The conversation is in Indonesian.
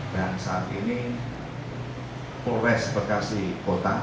dan saat ini polres bekasi kota